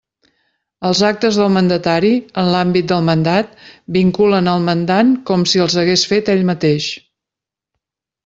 Els actes del mandatari, en l'àmbit del mandat, vinculen el mandant com si els hagués fet ell mateix.